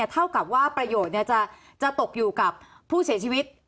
เท่ากับว่าประโยชน์จะตกอยู่กับผู้เสียชีวิต